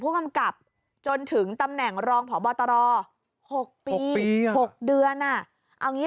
ผู้กำกับจนถึงตำแหน่งรองพบตร๖ปี๖เดือนเอางี้